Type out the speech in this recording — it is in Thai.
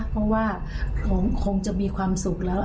เพราะว่าน้องคงจะมีความสุขแล้ว